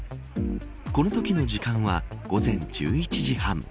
このときの時間は午前１１時３０分。